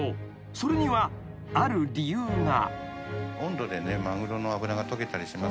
［それにはある理由が］